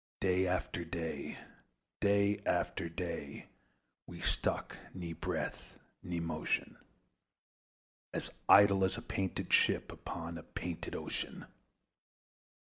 Day after day, day after day, We stuck, nor breath nor motion; As idle as a painted ship Upon a painted ocean.